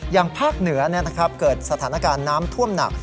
ภาคเหนือเกิดสถานการณ์น้ำท่วมหนัก